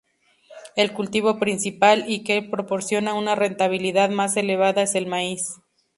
El cultivo principal y el que proporciona una rentabilidad más elevada es el maíz.